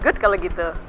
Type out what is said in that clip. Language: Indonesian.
good kalau gitu